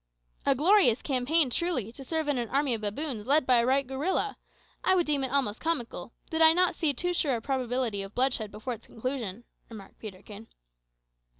"A glorious campaign, truly, to serve in an army of baboons, led by a white gorilla! I would deem it almost comical, did I not see too sure a probability of bloodshed before its conclusion," remarked Peterkin.